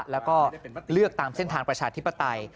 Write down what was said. แล้วก็เลือกตามเส้นทางประชาธิปไตย